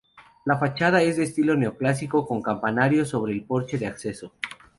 La fachada es de estilo neoclásico, con campanarios sobre el porche de acceso.